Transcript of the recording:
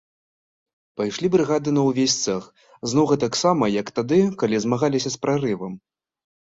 Пайшлі брыгады на ўвесь цэх, зноў гэтаксама, як тады, калі змагаліся з прарывам.